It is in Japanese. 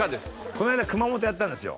この間熊本やったんですよ。